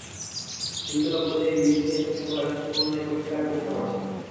সীমিত লোকবল নিয়ে বিএসটিআই প্রতিনিয়ত বাজার থেকে পণ্য নিয়ে পরীক্ষাগারে পরীক্ষা করছে।